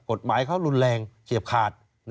กฎหมายเขารุนแรงเฉียบขาด